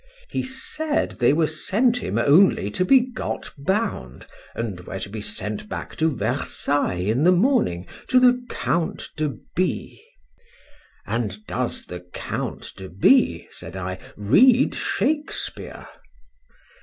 —He said they were sent him only to be got bound, and were to be sent back to Versailles in the morning to the Count de B—. —And does the Count de B—, said I, read Shakespeare?